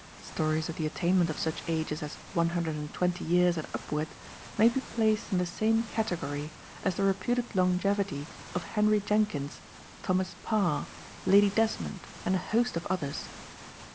Stories of the attainment of such ages as one hundred and twenty years and upward may be placed in the same category as the reputed longevity of Henry Jenkins, Thomas Parr, Lady Desmond, and a host of others.